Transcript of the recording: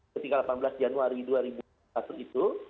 ketika delapan belas januari dua ribu dua puluh satu itu